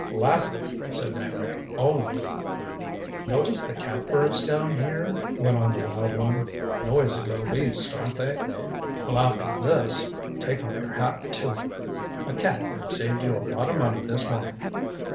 "Gladly," said Meyrick. "Only " "Notice the catbirds down here?" went on the wild one. "Noisy little beasts, aren't they? Well, after this take off your hat to 'em. A catbird saved you a lot of money this morning."